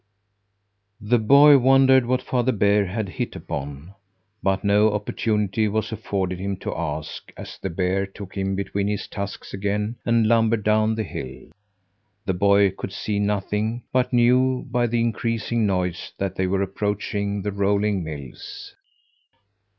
The boy wondered what Father Bear had hit upon, but no opportunity was afforded him to ask, as the bear took him between his tusks again and lumbered down the hill. The boy could see nothing, but knew by the increasing noise that they were approaching the rolling mills.